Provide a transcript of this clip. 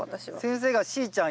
先生が「しーちゃん」